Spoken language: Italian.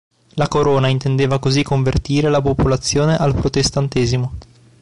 La Corona intendeva così convertire la popolazione al protestantesimo.